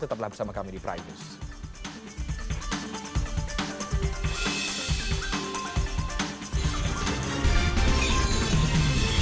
tetap lagi bersama kami di pri news